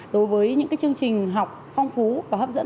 đối với những chương trình học phong phú và hấp dẫn